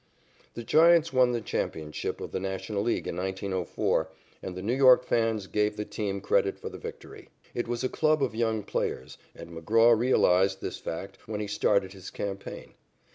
The Giants won the championship of the National League in 1904 and the New York fans gave the team credit for the victory. It was a club of young players, and McGraw realized this fact when he started his campaign.